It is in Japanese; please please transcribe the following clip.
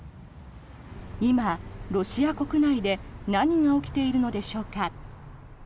今、ロシア国内で何が起きているのでしょうか。